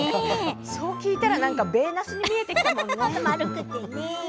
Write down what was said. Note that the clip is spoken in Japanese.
そう聞いたら米なすに見えてきたね。